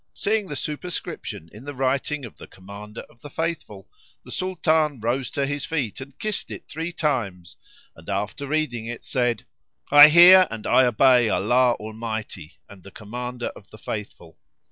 Seeing the superscription in the writing of the Commander of the Faithful, the Sultan rose to his feet and kissed it three times; and after reading it said, "I hear and I obey Allah Almighty and the Commander of the Faithful!"